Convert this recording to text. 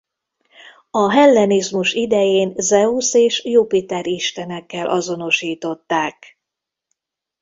A hellenizmus idején Zeusz és Jupiter istenekkel azonosították.